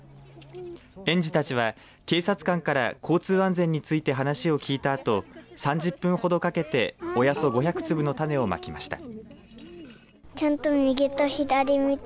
園児たちは警察官から交通安全について話を聞いたあと３０分ほどかけておよそ５００粒の種をまきました。